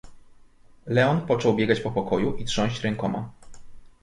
"Leon począł biegać po pokoju i trząść rękoma."